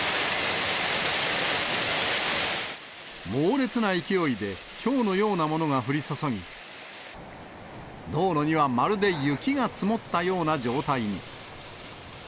猛烈な勢いでひょうのようなものが降り注ぎ、道路にはまるで雪が積もったような状態に。